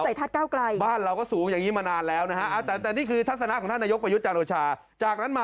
เอาทุเรียนสายพันธุ์เฉพาะคือสายพันธุ์พระร่วง